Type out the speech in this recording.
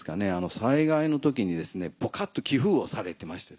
災害の時にポカっと寄付をされてまして。